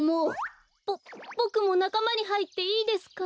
ボボクもなかまにはいっていいですか？